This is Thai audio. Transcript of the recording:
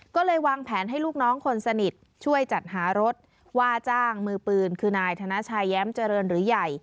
ก็เลยวางแผนให้ลูกน้องคนสนิทช่วยจัดหารถว่าจ้างมือปืนคือนายธนชายแย้มเจริญหรือใหญ่